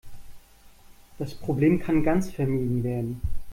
Das Problem kann ganz vermieden werden.